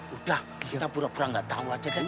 udah kita bura bura nggak tahu aja cek